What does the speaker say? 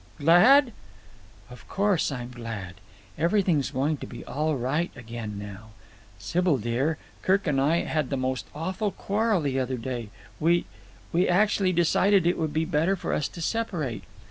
"Glad!" "Of course I'm glad. Everything's going to be all right again now. Sybil dear, Kirk and I had the most awful quarrel the other day. We—we actually decided it would be better for us to separate.